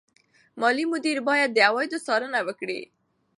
مالي مدیر باید د عوایدو څارنه وکړي.